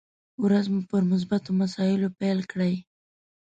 ورځ مو پر مثبتو مسايلو پيل کړئ!